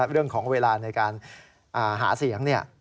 เรื่องของเวลาในการหาเสียง